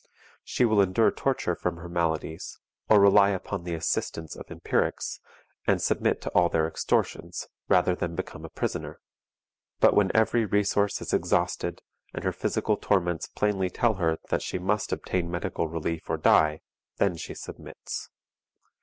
She will endure torture from her maladies, or rely upon the assistance of empirics, and submit to all their extortions, rather than become a prisoner. But when every resource is exhausted, and her physical torments plainly tell her that she must obtain medical relief or die, then she submits.